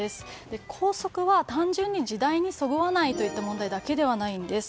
校則は単純に時代にそぐわないといった問題だけではないんです。